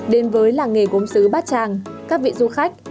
đến với làng nghề gốm xứ bát tràng các vị du khách